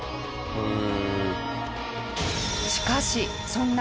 へえ。